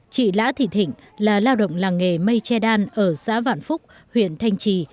chị lã thị thịnh là lao động làng nghề mây che đan ở xã vạn phúc huyện thanh trì